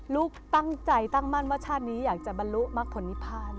ลูกตั้งใจตั้งมั่นว่าชาตินี้อยากจะบรรลุมักผลนิพาน